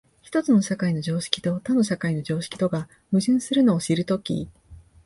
一つの社会の常識と他の社会の常識とが矛盾するのを知るとき、